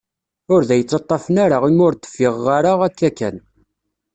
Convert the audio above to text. Ur d ay-ttaṭafen ara, imi ur d-ffiɣeɣ ara, akka kan.